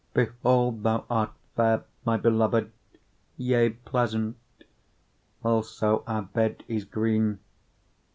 1:16 Behold, thou art fair, my beloved, yea, pleasant: also our bed is green.